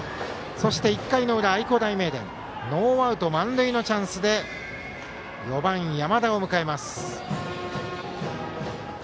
そして１回の裏、愛工大名電ノーアウト満塁のチャンスで４番、山田を迎えます。